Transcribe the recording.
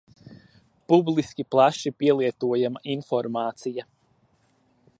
Publiski plaši pielietojama informācija.